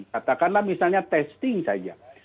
katakanlah misalnya testing saja